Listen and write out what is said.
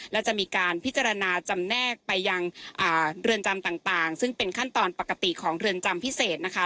และจะมีการพิจารณาจำแนกไปยังเรือนจำต่างซึ่งเป็นขั้นตอนปกติของเรือนจำพิเศษนะคะ